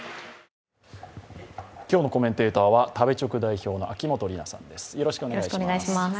今日のコメンテーターは食べチョク代表の秋元里奈さんです。